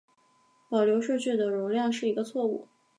保留数据的容量是一个错误。